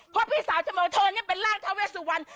เพราะพี่สาวฉันบอกว่าเธอนี่เป็นร่างเทาเวสสุวรรณ